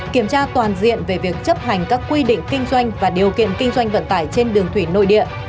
kiểm tra toàn diện về việc chấp hành các quy định kinh doanh và điều kiện kinh doanh vận tải trên đường thủy nội địa